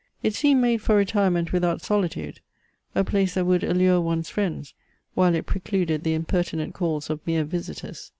It seemed made for retirement without solitude a place that would allure one's friends, while it precluded the impertinent calls of mere visitors.